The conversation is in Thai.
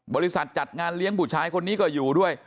บริษัทจัดงานเลี้ยงผู้ชายคนนี้ก็อยู่ด้วย